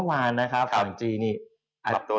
แต่ว่าเมื่อวานนะครับ